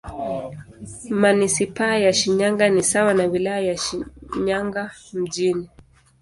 Manisipaa ya Shinyanga ni sawa na Wilaya ya Shinyanga Mjini.